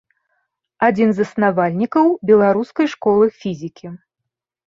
Адзін з заснавальнікаў беларускай школы фізікі.